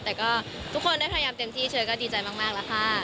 แต่ก็ทุกคนได้พยายามเต็มที่เชยก็ดีใจมากแล้วค่ะ